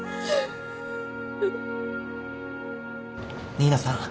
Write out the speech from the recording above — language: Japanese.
新名さん